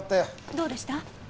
どうでした？